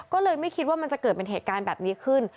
ก็เลยไม่คิดว่ามันจะเกิดเป็นเหตุการณ์แบบนี้ขึ้น